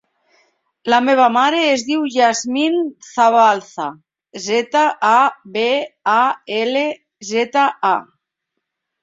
La meva mare es diu Yasmine Zabalza: zeta, a, be, a, ela, zeta, a.